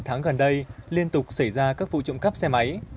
sáu tháng gần đây liên tục xảy ra các vụ trộm cắp xe máy